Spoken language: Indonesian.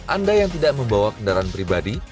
anda yang tidak membawa kendaraan pribadi